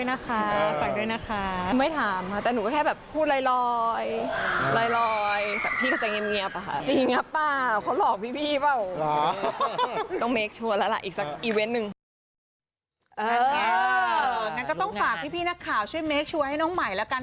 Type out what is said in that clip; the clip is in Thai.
งั้นแง่งั้นก็ต้องฝากพี่นะคะว่าเช่นเมคชัวร์ให้น้องใหม่ละกัน